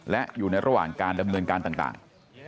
และอยู่ในระหว่างการดำเนินการต่าง